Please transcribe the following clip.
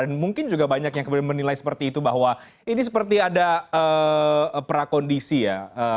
dan mungkin juga banyak yang menilai seperti itu bahwa ini seperti ada prakondisi ya